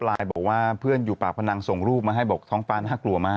บอกว่าเพื่อนอยู่ปากพนังส่งรูปมาให้บอกท้องฟ้าน่ากลัวมาก